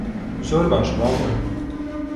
زۆر باشە، با بڕۆین.